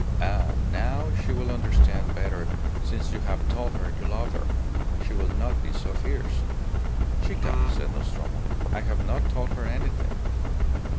Ah! now she will understand better since you have told her you love her. She will not be so fierce." "Chica!" said Nostromo, "I have not told her anything."